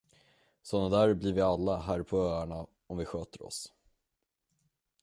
Såna där blir vi alla här på öarna om vi sköter oss.